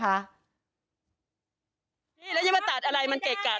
ถ้าไม่ได้ทำให้เดือดร้อนอะไร